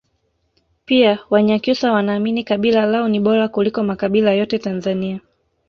pia wanyakyusa Wanaamini kabila lao ni bora kuliko makabila yote Tanzania